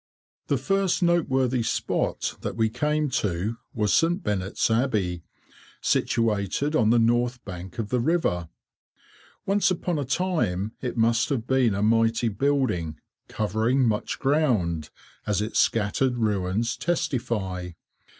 The first noteworthy spot that we came to was St. Benet's Abbey, situated on the north bank of the river. Once upon a time it must have been a mighty building, covering much ground, as its scattered ruins testify.